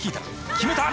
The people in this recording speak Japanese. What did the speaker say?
決めた！